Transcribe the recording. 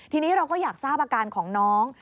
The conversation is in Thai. ทีนี้เราก็อยากทราบอาการของน้อง